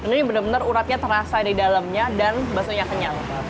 ini benar benar uratnya terasa di dalamnya dan bakso nya kenyal